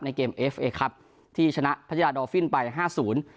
เกมเอฟเอครับที่ชนะพัทยาดอลฟินไปห้าศูนย์